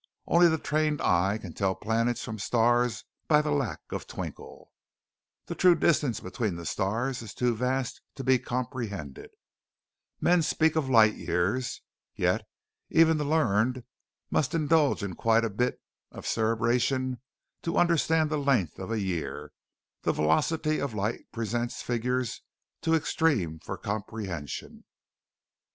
Only the trained eye can tell planets from the stars by the lack of twinkle. The true distances between the stars is too vast to be comprehended. Men speak of light years. Yet even the learned must indulge in quite a bit of cerebration to understand the length of a year, the velocity of light presents figures too extreme for comprehension.